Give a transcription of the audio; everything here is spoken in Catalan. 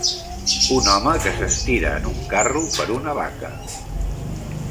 Un home que s'estira en un carro per una vaca